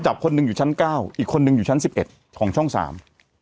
คนหนึ่งอยู่ชั้นเก้าอีกคนนึงอยู่ชั้นสิบเอ็ดของช่องสาม